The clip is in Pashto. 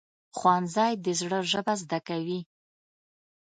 ښوونځی د زړه ژبه زده کوي